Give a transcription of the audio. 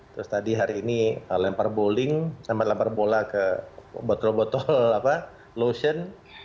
terus tadi hari ini lempar bowling sampai lempar bola ke botol botol lotion